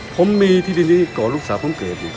ผมมีที่ดินนี้ก่อนลูกสาวผมเกิดอยู่